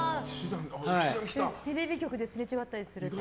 テレビ局ですれ違ったりすると。